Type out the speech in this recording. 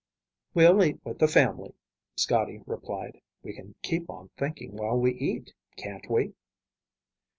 "We'll eat with the family," Scotty replied. "We can keep on thinking while we eat, can't we?"